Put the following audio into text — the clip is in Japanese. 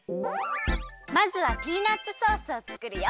まずはピーナツソースをつくるよ。